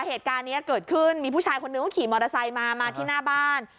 เหตุการณ์นี้เกิดขึ้นมีผู้ชายคนนึงเขาขี่มอเตอร์ไซค์มามาที่หน้าบ้าน